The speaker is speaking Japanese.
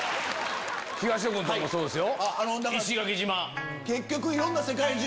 東野君もそうですよ。